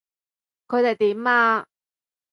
佢哋點啊？